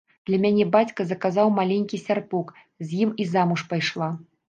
Для мяне бацька заказаў маленькі сярпок, з ім і замуж пайшла.